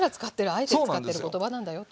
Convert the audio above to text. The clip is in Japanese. あえて使ってる言葉なんだよという。